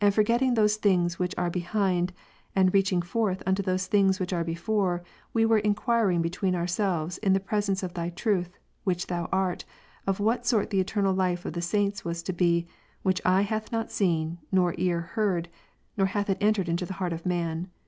forgetting those things which are behind, and Phil. 3, reaching forth unto those things which are before, we were enquiring between ourselves in the presence of the Truth, which Thou art, of what sort the eternal life of the saints was to be, which eye hath not seen, nor ear heard, nor hath l Cor. 2, it entered into the heart of man.